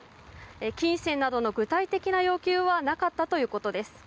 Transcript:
金銭などの具体的な要求はなかったということです。